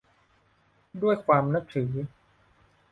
ด้วยความนับถือ